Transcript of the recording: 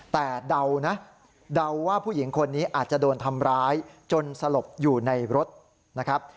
แต่เดานะเดาว่าผู้หญิงคนนี้อาจจะโดนทำร้ายจนสลบอยู่ในรถนะครับ